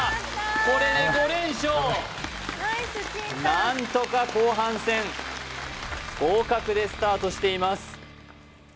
これで５連勝何とか後半戦合格でスタートしています